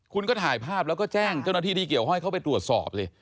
คุณก็ถ่ายภาพแล้วแจ้งเจ้านัททีที่เกี่ยวให้เขาไปตรวจสอบสิ